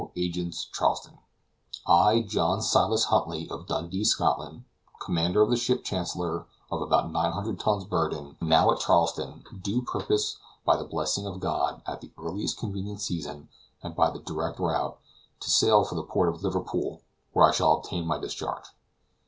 Agents, Charleston: I, John Silas Huntly, of Dundee, Scotland, commander of the ship Chancellor, of about 900 tons burden, now at Charleston, do purpose, by the blessing of God, at the earliest convenient season, and by the direct route, to sail for the port of Liverpool, where I shall obtain my discharge.